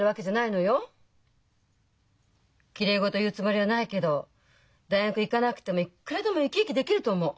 きれい事言うつもりはないけど大学行かなくてもいっくらでも生き生きできると思う。